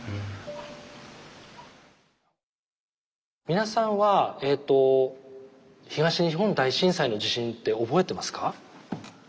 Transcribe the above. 皆さんは東日本大震災の地震って覚えてますか？